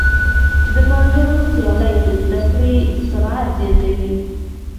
د ملګرو سیالۍ د زده کړې سرعت زیاتوي.